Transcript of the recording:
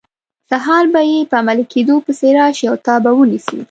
سهار به یې په عملي کیدو پسې راشي او تا به ونیسي.